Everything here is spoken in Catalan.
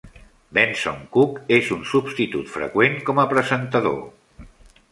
Benson Cook és un substitut freqüent com a presentador.